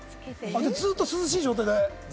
ずっと涼しい状態。